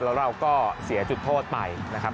แล้วเราก็เสียจุดโทษไปนะครับ